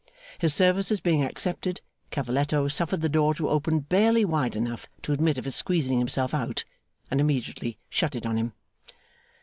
His services being accepted, Cavalletto suffered the door to open barely wide enough to admit of his squeezing himself out, and immediately shut it on him.